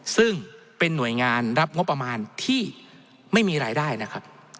ซึ่งเป็นหน่วยงานรับงบประมาณที่ไม่มีรายได้นะครับ